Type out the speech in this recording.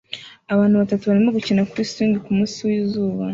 Abana batatu barimo gukina kuri swing kumunsi wizuba